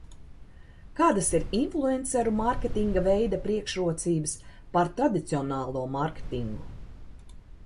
Kādas ir influenceru mārketinga veida priekšrocības pār tradicionālo mārketingu?